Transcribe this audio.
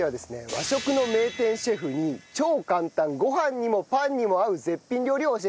和食の名店シェフに超簡単ご飯にもパンにも合う絶品料理を教えて頂きます。